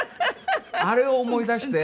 あれを思い出して。